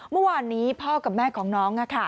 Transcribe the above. เมื่อวานนี้พ่อกับแม่ของน้อง